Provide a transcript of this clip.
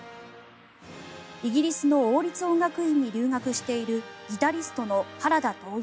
イギリスの王立音楽院に留学しているギタリストの原田斗